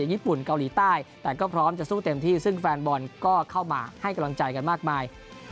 ญี่ปุ่นเกาหลีใต้แต่ก็พร้อมจะสู้เต็มที่ซึ่งแฟนบอลก็เข้ามาให้กำลังใจกันมากมาย